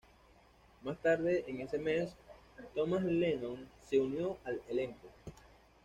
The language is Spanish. Más tarde en ese mes, Thomas Lennon se unió al elenco.